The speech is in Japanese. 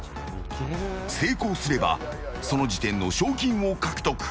成功すればその時点の賞金を獲得。